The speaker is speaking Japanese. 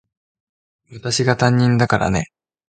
私が担任だからね。